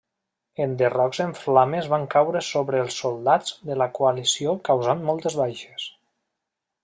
Enderrocs en flames van caure sobre els soldats de la coalició causant moltes baixes.